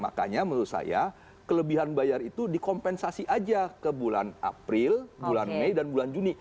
makanya menurut saya kelebihan bayar itu dikompensasi aja ke bulan april bulan mei dan bulan juni